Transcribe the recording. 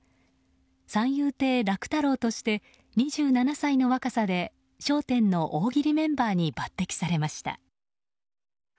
三遊亭楽太郎として２７歳の若さで「笑点」の大喜利メンバーに抜擢されました。